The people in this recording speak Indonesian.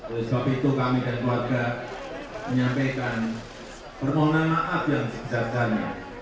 oleh sebab itu kami dan keluarga menyampaikan permohonan maaf yang sebesar besarnya